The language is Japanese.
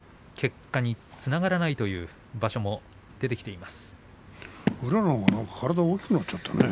思うように結果につながらないという場所も出てきています。